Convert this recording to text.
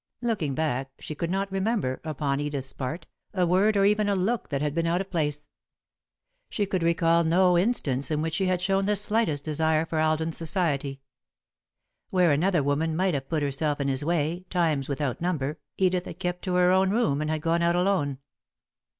Looking back, she could not remember, upon Edith's part, a word or even a look that had been out of place. She could recall no instance in which she had shown the slightest desire for Alden's society. Where another woman might have put herself in his way, times without number, Edith had kept to her own room, or had gone out alone.